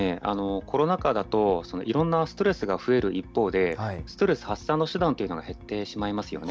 コロナ禍だと、いろんなストレスが増える一方で、ストレス発散の手段というのが減ってしまいますよね。